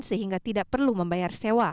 sehingga tidak perlu membayar sewa